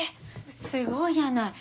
すごいやない。